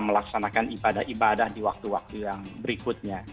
melaksanakan ibadah ibadah di waktu waktu yang berikutnya